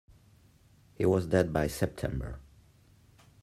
He was dead by September.